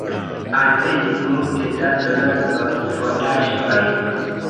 Alvenis multe da donacoj, fondaĵoj.